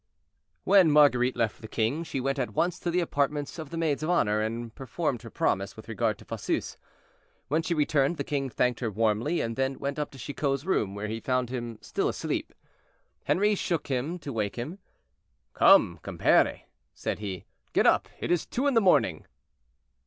When Marguerite left the king, she went at once to the apartments of the maids of honor, and performed her promise with regard to Fosseuse. When she returned, the king thanked her warmly, and then went up to Chicot's room, where he found him still asleep. Henri shook him to wake him. "Come, compere," said he, "get up, it is two in the morning."